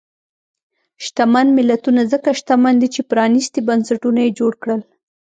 شتمن ملتونه ځکه شتمن دي چې پرانیستي بنسټونه یې جوړ کړل.